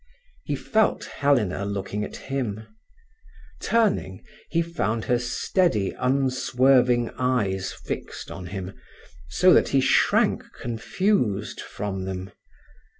He felt Helena looking at him. Turning, he found her steady, unswerving eyes fixed on him, so that he shrank confused from them.